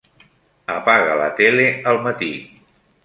Apaga la tele al matí.